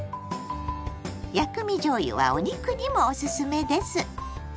「薬味じょうゆ」はお肉にもオススメです。